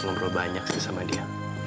ngobrol banyak sih sama dia